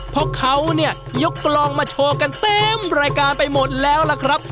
เพราะเขาเนี่ยยกกลองมาโชว์กันเต็มรายการไปหมดแล้วล่ะครับ